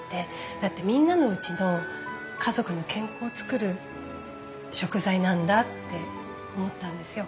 だってみんなのおうちの家族の健康を作る食材なんだって思ったんですよ。